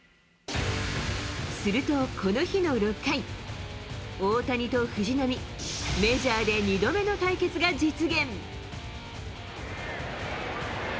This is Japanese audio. するとこの日の６回、大谷と藤浪、メジャーで２度目の対決が実現。